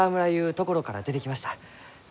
ところから出てきました。